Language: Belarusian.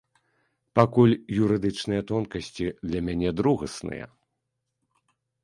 Пакуль юрыдычныя тонкасці для мяне другасныя.